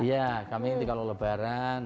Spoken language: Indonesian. iya kami ini kalau lebaran